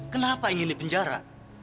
kenapa ingin dipenjara